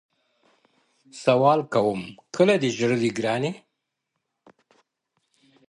سوال کوم کله دي ژړلي گراني ،